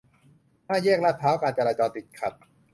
ห้าแยกลาดพร้าว การจราจรติดขัด